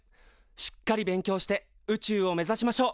しっかり勉強して宇宙を目ざしましょう。